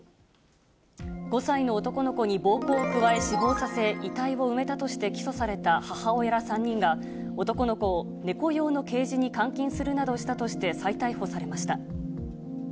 ５歳の男の子に暴行を加え、死亡させ、遺体を埋めたとして起訴された母親ら３人が、男の子を猫用のケージに監禁するなどしたとして、再逮捕されました。